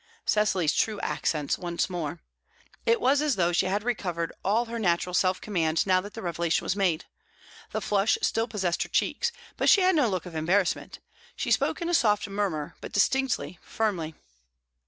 Cecily's true accents once more. It was as though she had recovered all her natural self command now that the revelation was made. The flush still possessed her cheeks, but she had no look of embarrassment; she spoke in a soft murmur, but distinctly, firmly.